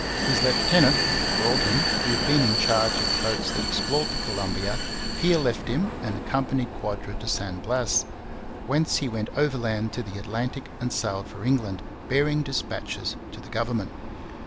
His lieutenant, Broughton, who had been in charge of the boats that explored the Columbia, here left him and accompanied Quadra to San Blas, whence he went overland to the Atlantic and sailed for England, bearing dispatches to the government.